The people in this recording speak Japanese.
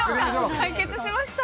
解決しました。